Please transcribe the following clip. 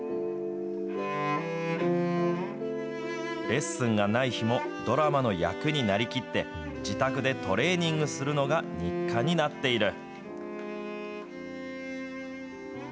レッスンがない日もドラマの役になりきって、自宅でトレーニングするのが日課になっている。